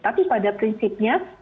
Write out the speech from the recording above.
tapi pada prinsipnya